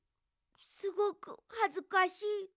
すごくはずかしい。